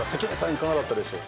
いかがだったでしょう？